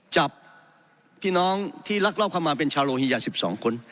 จับน้องที่รักเลาค์ความลามาเป็นชาโรฮียะ๑๒คน